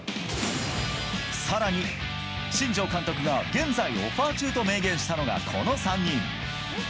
更に、新庄監督が現在、オファー中と明言したのがこの３人。